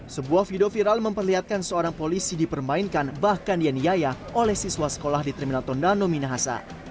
sebuah video viral memperlihatkan seorang polisi dipermainkan bahkan dianiaya oleh siswa sekolah di terminal tondano minahasa